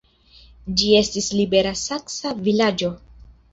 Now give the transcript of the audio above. Ĝi estis libera saksa vilaĝo.